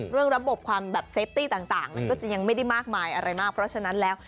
เรื่องระบบความแบบเซฟตี้ต่างมันก็จะยังไม่ได้มากมายอะไรมากเพราะฉะนั้นแล้ว